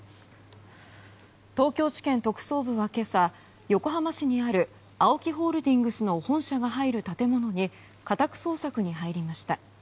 東京地検特捜部は今朝、横浜市にあるＡＯＫＩホールディングスの本社が入る建物に家宅捜索に入りました。